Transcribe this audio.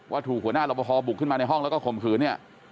ว่าถูกหัวหน้ารับประพอบุกขึ้นมาในห้องแล้วก็คมขืน